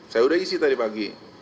saya udah isi tadi pagi